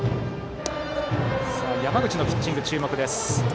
山口のピッチングに注目です。